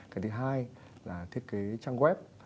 cái thứ hai là thiết kế trang web